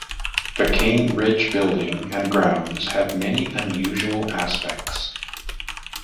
The Cane Ridge building and grounds had many unusual aspects.